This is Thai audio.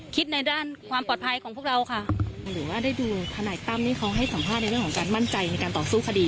ในด้านความปลอดภัยของพวกเราค่ะหรือว่าได้ดูทนายตั้มนี่เขาให้สัมภาษณ์ในเรื่องของการมั่นใจในการต่อสู้คดี